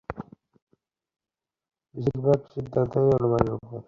বেশির ভাগ সিদ্ধান্তই অনুমানের ওপর।